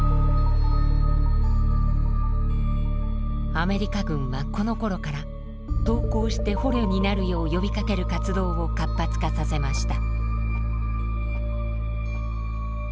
アメリカ軍はこのころから投降して捕虜になるよう呼びかける活動を活発化させました。